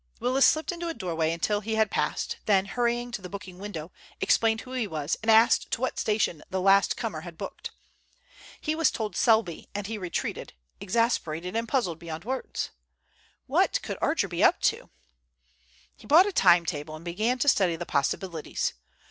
Willis slipped into a doorway until he had passed, then hurrying to the booking window, explained who he was and asked to what station the last comer had booked. He was told "Selby," and he retreated, exasperated and puzzled beyond words. What could Archer be up to? He bought a time table and began to study the possibilities.